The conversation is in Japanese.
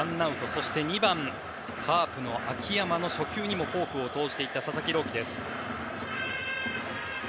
そして２番、カープの秋山の初球にもフォークを投じていった佐々木朗希です。